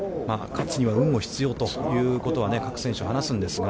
勝つには運も必要ということは、各選手話すんですが。